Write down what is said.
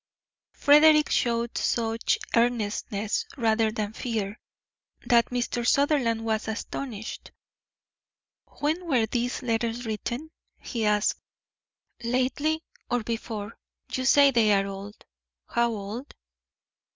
Frederick showed such earnestness, rather than fear, that Mr. Sutherland was astonished. "When were these letters written?" he asked. "Lately, or before You say they are old; how old?"